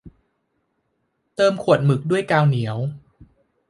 เติมขวดหมึกด้วยกาวเหนียว